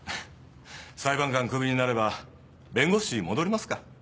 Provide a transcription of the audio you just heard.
裁判官クビになれば弁護士戻りますか。